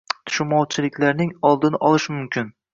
tushunmovchiliklarning oldini olish mumkin.